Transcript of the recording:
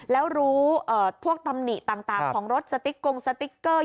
แล้วรู้พวกตำหนิต่างของรถสติ๊กกงสติ๊กเกอร์